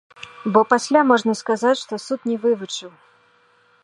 Бо пасля можна сказаць, што суд не вывучыў.